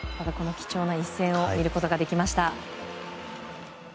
貴重な一戦を見ることができました。